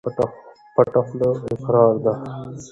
پټه خوله اقرار ده.